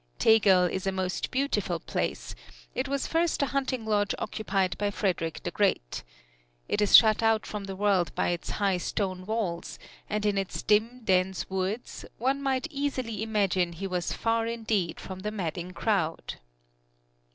Tegel is a most beautiful place; it was first a hunting lodge occupied by Frederick the Great. It is shut out from the world by its high stone walls; and in its dim, dense woods, one might easily imagine he was far indeed from the madding crowd.